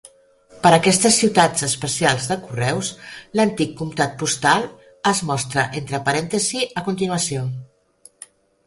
Per a aquestes "ciutats especials de correus", l'antic comtat postal es mostra entre parèntesis a continuació.